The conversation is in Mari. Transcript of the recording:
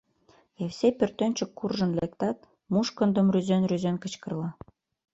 — Евсей пӧртӧнчык куржын лектат, мушкындым рӱзен-рӱзен кычкырла.